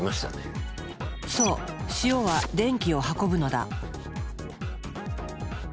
そう塩は電気を運ぶのだ。